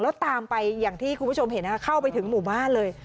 แล้วตามไปอย่างที่คุณผู้ชมเห็นเข้าไปถึงหมู่บ้านเลย